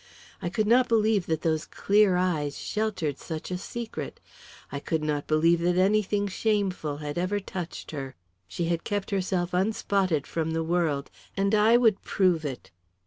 I could not believe that those clear eyes sheltered such a secret. I could not believe that anything shameful had ever touched her. She had kept herself unspotted from the world. And I would prove it!